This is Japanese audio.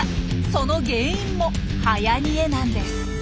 その原因もはやにえなんです。